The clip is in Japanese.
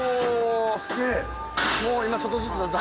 すげえ。